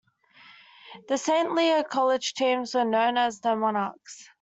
The Saint Leo College teams were known as the Monarchs.